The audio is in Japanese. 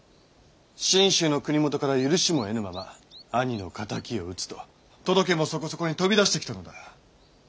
信州の国元から許しも得ぬまま「兄の敵を討つ」と届けもそこそこに飛び出してきたのだ。